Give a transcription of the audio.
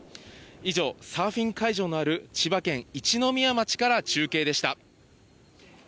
以上、サーフィン会場のある千葉県一宮町から中継でした。